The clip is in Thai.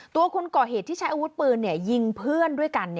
คนก่อเหตุที่ใช้อาวุธปืนยิงเพื่อนด้วยกัน